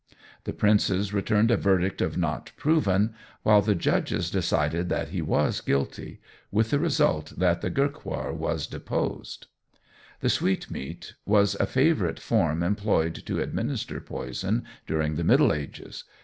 The princes returned a verdict of "Not proven," while the judges decided that he was guilty, with the result that the Gaekwar was deposed. The sweetmeat was a favourite form employed to administer poison during the Middle Ages.